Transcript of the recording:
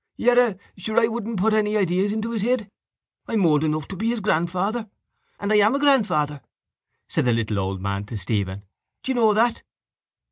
—Yerra, sure I wouldn't put any ideas into his head. I'm old enough to be his grandfather. And I am a grandfather, said the little old man to Stephen. Do you know that?